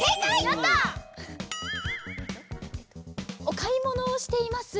おかいものをしています。